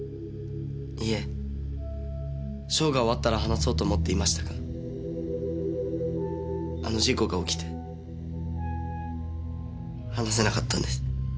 いいえショーが終わったら話そうと思っていましたがあの事故が起きて話せなかったんです。